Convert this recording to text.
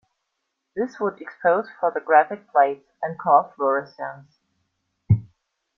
This would expose photographic plates and cause fluorescence.